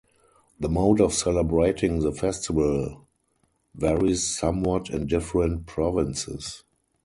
The mode of celebrating the festival varies somewhat in different provinces.